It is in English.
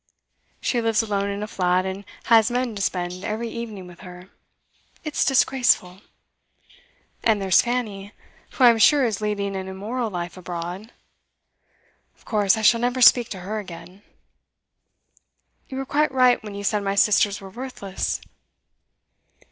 She lives alone in a flat, and has men to spend every evening with her; it's disgraceful! And there's Fanny, who I am sure is leading an immoral life abroad. Of course I shall never speak to her again. You were quite right when you said my sisters were worthless.